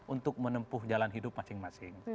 untuk menempuh jalan hidup masing masing